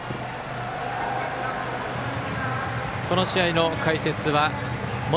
この試合の解説は元